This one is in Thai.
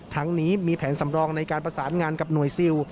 ทั้งนี้มีแผนสำรองในการประสานงานกับหน่วยซิล